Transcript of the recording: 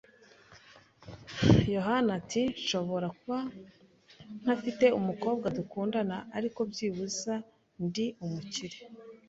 yohani ati: "Nshobora kuba ntafite umukobwa dukundana, ariko byibuze ndi umukire."